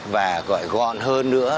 và gọi gọn hơn nữa